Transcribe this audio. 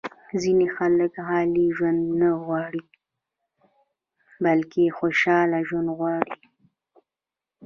ځینې خلک عالي ژوند نه غواړي بلکې خوشاله ژوند غواړي.